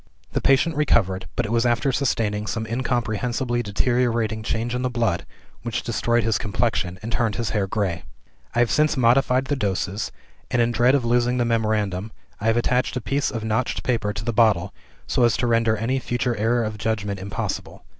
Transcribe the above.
"The patient recovered but it was after sustaining some incomprehensibly deteriorating change in the blood, which destroyed his complexion, and turned his hair gray. I have since modified the doses; and in dread of losing the memorandum, I have attached a piece of notched paper to the bottle, so as to render any future error of judgment impossible.